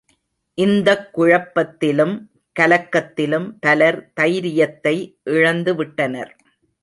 இந்தக் குழப்பத்திலும் கலக்கத்திலும், பலர் தைரியத்தை இழந்து விட்டனர்.